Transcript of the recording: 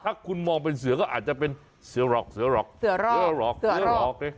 ถ้าคุณมองเป็นเสือก็อาจจะเป็นเสือรอกเสือรอก